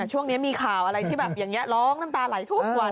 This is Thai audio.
ช่วงนี้มีข่าวอะไรที่แบบอย่างนี้ร้องน้ำตาไหลทุกวัน